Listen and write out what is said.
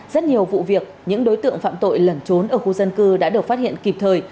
rất nhiều vụ việc những đối tượng phạm tội lẩn trốn ở khu dân cư đã được phát hiện kịp thời